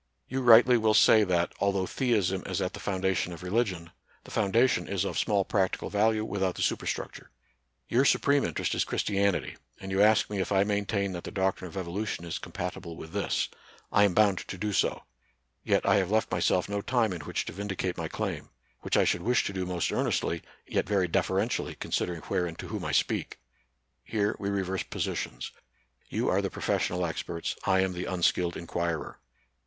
You rightly will say that, although theism is at the foundation of religion, the foundation is of small practical value without the superstruc ture. Your supreme interest is Christianity; and you ask me if I maintain that the doc trine of evolution is compatible with this. I am bound to do so. Yet I have left myself no time in which to vindicate my claim ; which I should wish to do most earnestly, yet very deferentially, considering where and to whom I speak. Here we reverse positions: you are the professional experts 5 I am the unskilled inquirer.